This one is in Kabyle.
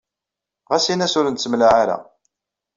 Ɣas in-as ur nettemlaɛa ara.